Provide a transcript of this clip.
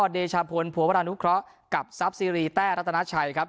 เดชาพลภัวรานุเคราะห์กับทรัพย์ซีรีแต้รัตนาชัยครับ